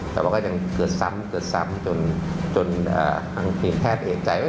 แต่ว่าก็ยังเกิดซ้ำจนทางภีมแพทย์เอกใจว่า